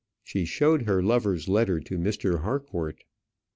She showed her lover's letter to Mr. Harcourt.